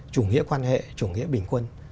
chủ nghĩa bình quân chủ nghĩa quan hệ chủ nghĩa bình quân